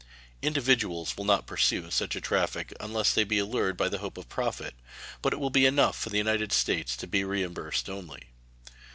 Individuals will not pursue such a traffic unless they be allured by the hope of profit; but it will be enough for the United States to be reimbursed only.